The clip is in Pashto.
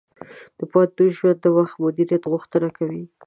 د پوهنتون ژوند د وخت مدیریت غوښتنه کوي.